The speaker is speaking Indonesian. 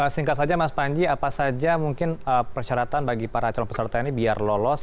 singkat saja mas panji apa saja mungkin persyaratan bagi para calon peserta ini biar lolos